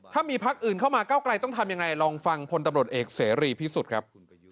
ถ้ามีพักอื่นเข้ามาเก้าไกลต้องทำยังไงลองฟังพลตำรวจเอกเสรีพิสุทธิ์ครับ